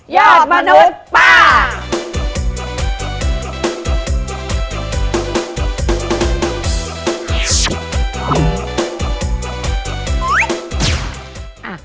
อดมนุษย์ป้า